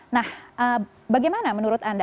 nah bagaimana menurut anda